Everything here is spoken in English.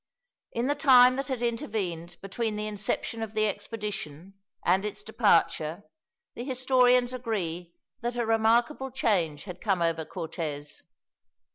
In the time that had intervened between the inception of the expedition and its departure, the historians agree that a remarkable change had come over Cortez.